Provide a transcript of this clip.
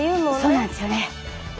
そうなんですよね。